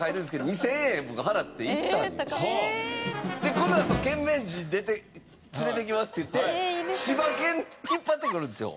「このあと犬面人連れてきます」って言って柴犬引っ張ってくるんですよ。